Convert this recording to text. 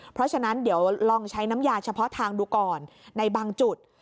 เพราะฉะนั้นเดี๋ยวลองใช้น้ำยาเฉพาะทางดูก่อนในบางจุด